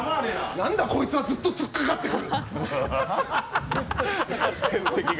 なんでこいつはずっと突っかかってくる。